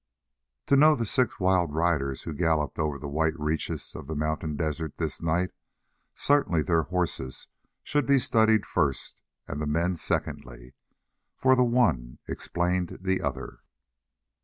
To know the six wild riders who galloped over the white reaches of the mountain desert this night, certainly their horses should be studied first and the men secondly, for the one explained the other.